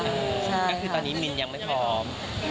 ก็คือตอนนี้มินยังไม่พร้อม